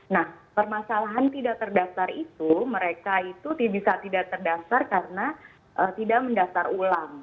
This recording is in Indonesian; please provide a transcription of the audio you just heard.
nah permasalahan tidak terdaftar itu mereka itu bisa tidak terdaftar karena tidak mendaftar ulang